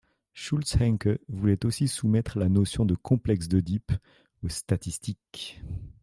Schultz-Hencke voulait aussi soumettre la notion de Complexe d'Œdipe aux statistiques.